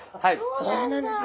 そうなんですね。